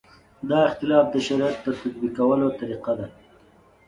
دا اختلاف د شریعت تطبیقولو طریقه ده.